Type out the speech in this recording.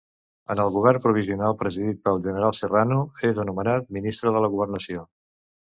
En el govern provisional presidit pel general Serrano, és nomenat ministre de la Governació.